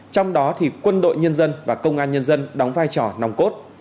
trong đó thì quân đội nhân dân và công an nhân dân đóng vai trò nòng cốt